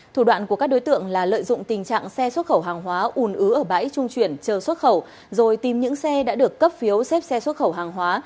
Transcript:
thủ đoạn của các đối tượng là lợi dụng tình trạng xe xuất khẩu hàng hóa ùn ứ ở bãi trung chuyển chờ xuất khẩu rồi tìm những xe đã được cấp phiếu xếp xe xuất khẩu hàng hóa